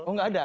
oh enggak ada